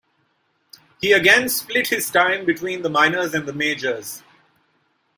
He again split his time between the minors and the majors.